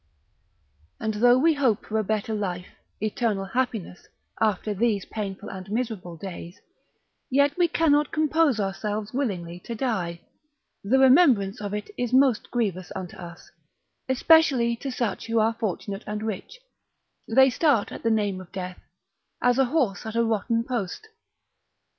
And though we hope for a better life, eternal happiness, after these painful and miserable days, yet we cannot compose ourselves willingly to die; the remembrance of it is most grievous unto us, especially to such who are fortunate and rich: they start at the name of death, as a horse at a rotten post.